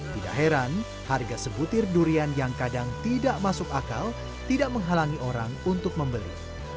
tidak heran harga sebutir durian yang kadang tidak masuk akal tidak menghalangi orang untuk membeli